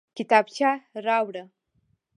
کتابچه راوړه